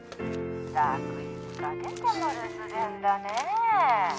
「いつかけても留守電だねえ」